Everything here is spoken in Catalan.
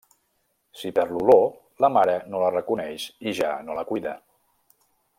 Si perd l'olor, la mare no la reconeix i ja no la cuida.